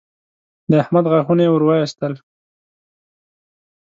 د احمد غاښونه يې ور واېستل